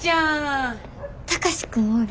貴司君おる？